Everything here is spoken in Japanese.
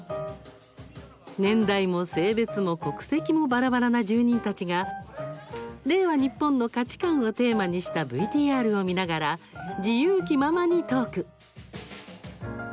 年代も性別も国籍もばらばらな住人たちが令和、日本の価値観をテーマにしたＶＴＲを見ながら自由気ままにトーク。